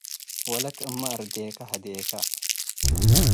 ወለት፣ እመ አርዴከ ህደከ።